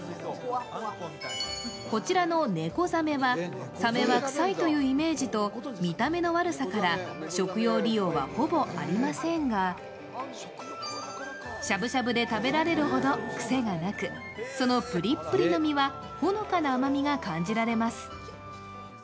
こちらのネコザメは、サメは臭いというイメージと見た目の悪さから、食用利用はほぼありませんが、しゃぶしゃぶで食べられるほど癖がなくそのプリップリの身は、ほのかな甘みが感じられます。